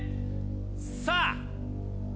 さあ。